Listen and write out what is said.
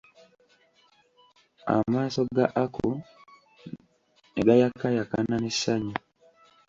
Amaaso ga Aku negayakayakana ne ssanyu.